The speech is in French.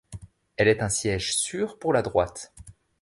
Elle est un siège sur pour la droite.